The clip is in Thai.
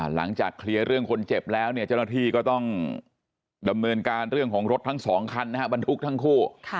หลังจากเคลียร์เรื่องคนเจ็บแล้วเนี่ยเจ้าหน้าที่ก็ต้องดำเนินการเรื่องของรถทั้ง๒คันนะครับบรรทุกทั้งคู่